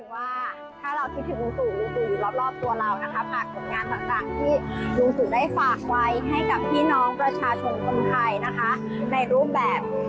แปลว่าเราอยากได้ใช้บริการธุรกิจรงานลุงตู้แน่นอนค่ะ